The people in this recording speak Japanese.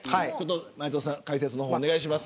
前園さん、解説お願いします。